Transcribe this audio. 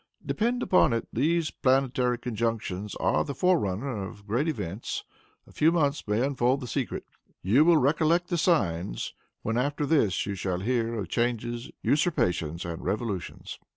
Depend upon it these planetary conjunctions are the forerunners of great events. A few months may unfold the secret. You will recollect the signs when, after this, you shall hear of changes, usurpations and revolutions."